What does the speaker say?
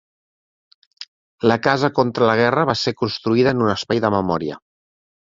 La Casa Contra la Guerra va ser construïda en un espai de memòria.